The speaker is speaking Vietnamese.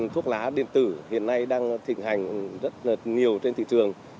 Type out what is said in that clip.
thuốc lá điện tử hiện nay đang thịnh hành rất là nhiều trên thị trường